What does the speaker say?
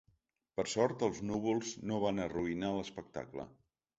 Per sort, els núvols no van arruïnar l’espectacle.